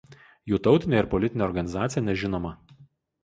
Jų tautinė ir politinė organizacija nežinoma.